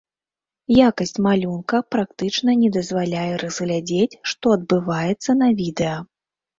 Якасць малюнка практычна не дазваляе разглядзець, што адбываецца на відэа.